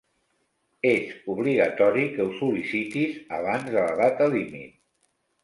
És obligatori que ho sol·licitis abans de la data límit.